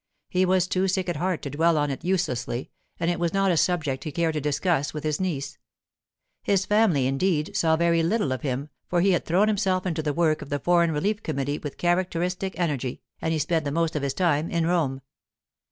He was too sick at heart to dwell on it uselessly, and it was not a subject he cared to discuss with his niece. His family, indeed, saw very little of him, for he had thrown himself into the work of the Foreign Relief Committee with characteristic energy, and he spent the most of his time in Rome.